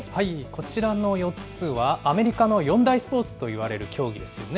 こちらの４つは、アメリカの四大スポーツといわれる競技ですよね。